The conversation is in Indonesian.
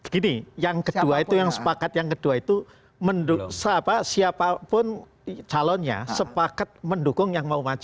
gini yang kedua itu yang sepakat yang kedua itu siapapun calonnya sepakat mendukung yang mau maju